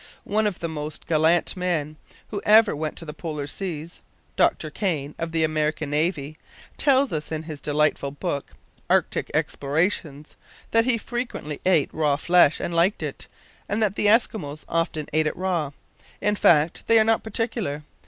One of the most gallant men who ever went to the Polar seas, (Dr Kane, of the American navy), tells us, in his delightful book, "Arctic Explorations", that he frequently ate raw flesh and liked it, and that the Eskimos often eat it raw. In fact, they are not particular.